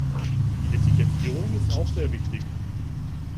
Die Etikettierung ist auch sehr wichtig.